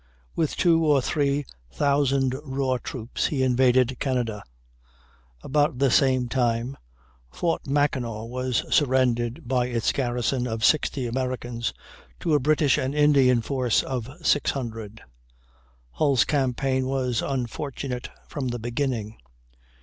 With two or three thousand raw troops he invaded Canada. About the same time Fort Mackinaw was surrendered by its garrison of 60 Americans to a British and Indian force of 600. Hull's campaign was unfortunate from the beginning.